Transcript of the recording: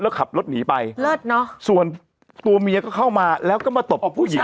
แล้วขับรถหนีไปเลิศเนอะส่วนตัวเมียก็เข้ามาแล้วก็มาตบเอาผู้หญิง